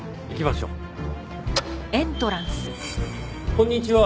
こんにちは。